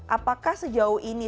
apakah sejauh ini